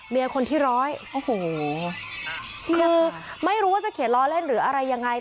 คนที่ร้อยโอ้โหคือไม่รู้ว่าจะเขียนล้อเล่นหรืออะไรยังไง